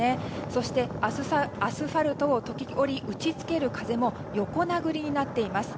そして、アスファルトを時折、打ち付ける風も横殴りになっています。